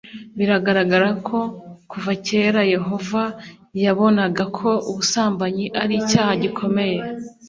biragaragara ko kuva kera yehova yabonaga ko ubusambanyi ari icyaha gikomeye